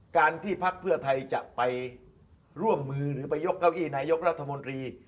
การที่พักเพื่อไทยจะไปร่วมมือหรือไปยกเก้าอี้นายกรัฐมนตรี